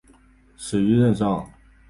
死于任上。